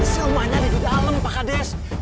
rumahnya di dalam pak kades